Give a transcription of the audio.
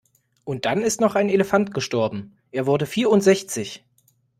Und dann ist noch ein Elefant gestorben, er wurde vierundsechzig.